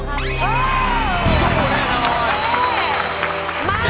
สู้ครับ